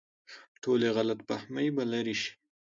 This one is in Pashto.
ټولې غلط فهمۍ به لرې شي.